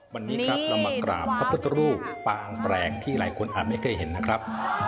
วันนี้ครับเรามากราบพระพุทธรูปปางแปลงที่หลายคนอาจไม่เคยเห็นนะครับ